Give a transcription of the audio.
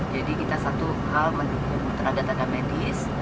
jadi kita satu hal mendukung tenaga tenaga medis